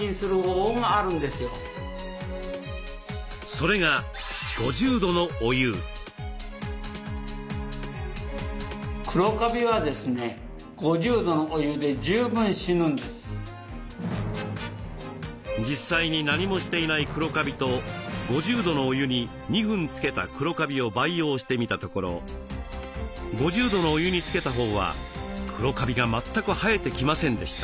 それが実際に何もしていないクロカビと５０度のお湯に２分つけたクロカビを培養してみたところ５０度のお湯につけたほうはクロカビが全く生えてきませんでした。